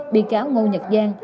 bị cáo ngô nhật giang